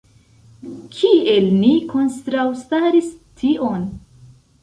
Kiel ni kontraŭstaris tion?